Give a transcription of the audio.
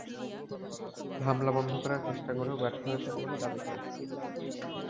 হামলা বন্ধ করার চেষ্টা করেও ব্যর্থ হয়েছেন বলে দাবি করেন তিনি।